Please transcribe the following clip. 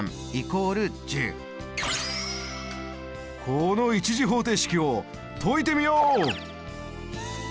この１次方程式を解いてみよう！